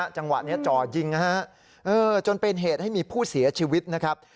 จังหวะนี้จ่อยิงนะฮะจนเป็นเหตุให้มีผู้เสียชีวิตนะครับ